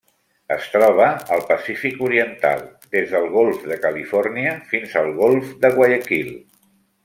Es troba al Pacífic oriental: des del golf de Califòrnia fins al golf de Guayaquil.